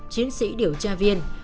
chiến sĩ điều tra viên